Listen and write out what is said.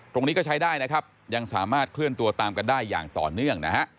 ตรงนี้ก็ใช้ได้นะครับยังสามารถเคลื่อนตัวตามกันได้อย่างต่อเนื่องนะฮะ